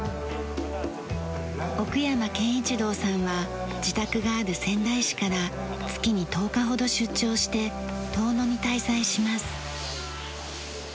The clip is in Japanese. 奥山健一郎さんは自宅がある仙台市から月に１０日ほど出張して遠野に滞在します。